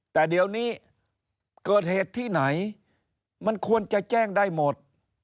แต่เดี๋ยวนี้เกิดเหตุที่ไหนมันควรจะแจ้งได้หมด